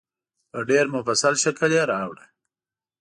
په ډېر مفصل شکل یې راوړه.